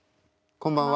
こんばんは。